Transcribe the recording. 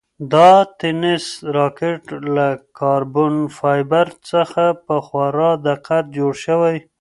دا د تېنس راکټ له کاربن فایبر څخه په خورا دقت جوړ شوی.